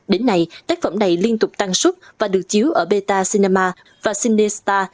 đến nay tác phẩm này liên tục tăng suất và được chiếu ở beta cinema và cinestar